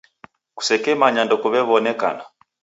Kusekemanya ndekuw'ew'onekana.